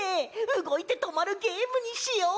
うごいてとまるゲームにしよう。